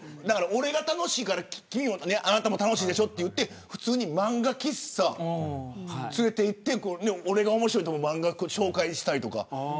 俺が楽しいから君も楽しいでしょと言って漫画喫茶、連れて行って俺が面白いと思う漫画紹介したいとか。